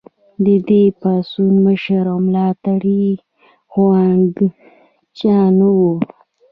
د دې پاڅون مشر او ملاتړی هوانګ چائو و.